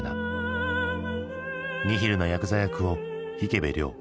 ニヒルなヤクザ役を池部良。